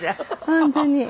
本当に。